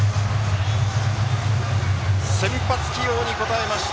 先発起用に応えました。